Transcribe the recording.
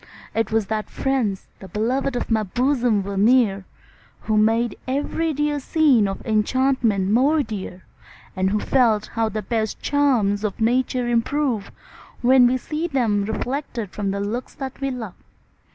'Twas that friends, the beloved of my bosom, were near, Who made every dear scene of enchantment more dear, And who felt how the best charms of Nature improve, When we see them reflected from looks that we love.